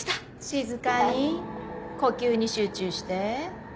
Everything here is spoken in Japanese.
静かに呼吸に集中して。